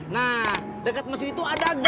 nah dekat mesin itu ada gua